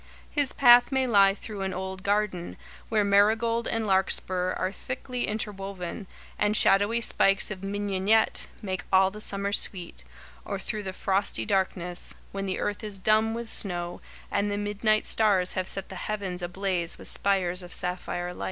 His path may lie through an old garden, where marigold and larkspur are thickly interwoven, and shadowy spikes of mignonette make all the summer sweet, or through the frosty darkness, when the earth is dumb with snow and the midnight stars have set the heavens ablaze with spires of sapphire light.